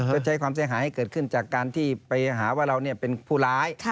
ก็ใช้ความเสียหายให้เกิดขึ้นจากการที่ไปหาว่าเราเป็นผู้ร้าย